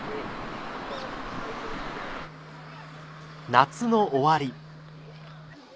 夏の終わり。